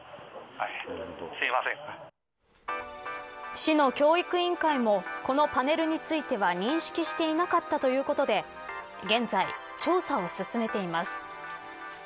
市の教育委員会もこのパネルについては認識していなかったということで現在、調査を進めています。